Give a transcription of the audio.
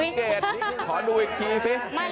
สัมเกตขอดูอีกทีสิ